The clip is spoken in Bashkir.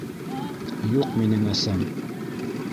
Юҡ минең әсәм!